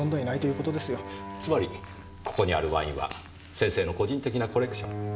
つまりここにあるワインは先生の個人的なコレクション。